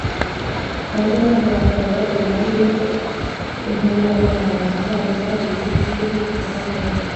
abajyanama ba farawo babwiye umwami yuko inkoreragahazo zabo zabacitse kandi ko zitazagaruka.